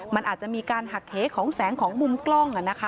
มันอาจจะมีการหักเหของแสงของมุมกล้อง